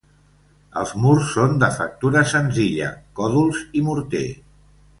Els murs són de factura senzilla, còdols i morter.